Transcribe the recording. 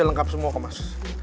lengkap semua kok mas